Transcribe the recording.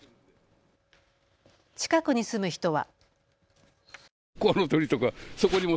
近くに住む人は。